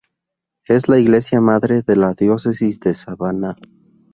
Es la iglesia madre de la Diócesis de Savannah.